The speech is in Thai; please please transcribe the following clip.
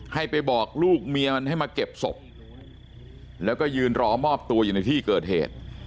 ให้ไปบอกลูกเมียมันให้มาเก็บศพแล้วก็ยืนรอมอบตัวอยู่ในที่เกิดเหตุ